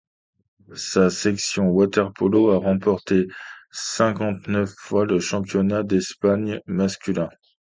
Sa section water-polo a remporté cinquante-neuf fois le championnat d'Espagne masculin.